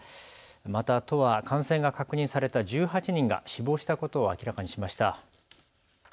また都は感染が確認された１８人が死亡したことを明らかにしました。